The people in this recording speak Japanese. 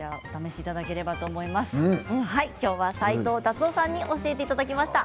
今日は斉藤辰夫さんに教えていただきました。